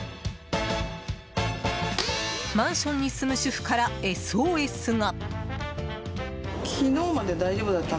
マンションに住む主婦からＳＯＳが。